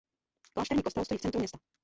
Klášterní kostel stojí v centru města.